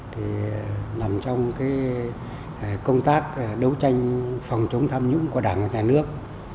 thì nằm trong cái công tác đấu tranh phòng chống tham nhũng của đảng và nhà nước